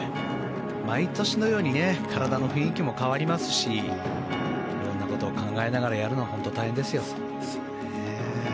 毎年のように体の雰囲気も変わりますし色んなことを考えながらやるのは本当に大変ですよ。